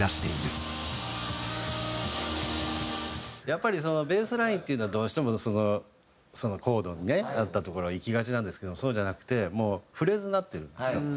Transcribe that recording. やっぱりそのベースラインっていうのはどうしてもそのコードにね合ったところいきがちなんですけどもそうじゃなくてもうフレーズになってるんですよ。